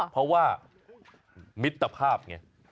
เพราะว่ามิตรภาพไง